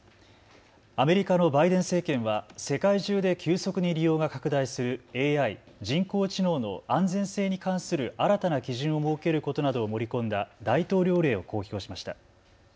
アメリカのバイデン政権は世界中で急速に利用が拡大するＡＩ・人工知能の安全性に関する新たな基準を設けることなどを盛り込んだ大統領令を公表しました。